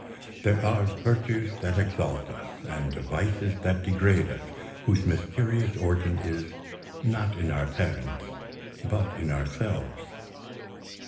There are virtues that exalt us, and vices that degrade us, whose mysterious origin is, not in our parents, but in ourselves.